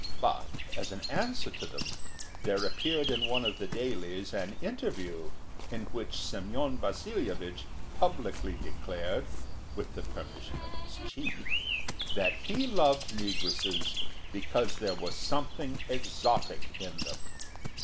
But as an answer to them there appeared in one of the dailies an interview in which Semyon Vasilyevich publicly declared, with the permission of his chief, that he loved negresses because there was something exotic in them.